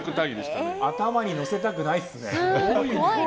頭に載せたくないですね。